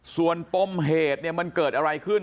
ส่วนปมเหตุเนี่ยมันเกิดอะไรขึ้น